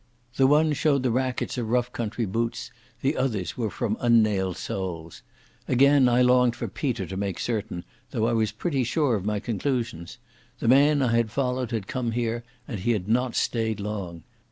The one showed the rackets of rough country boots, the others were from un nailed soles. Again I longed for Peter to make certain, though I was pretty sure of my conclusions. The man I had followed had come here, and he had not stayed long.